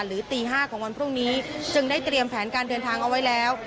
ตี๕ของวันพรุ่งนี้จึงได้เตรียมแผนการเดินทางเอาไว้แล้ว